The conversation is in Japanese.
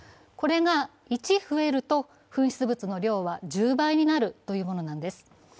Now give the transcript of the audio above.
これが１増えると、噴出物の量は１０倍になるというものなんです。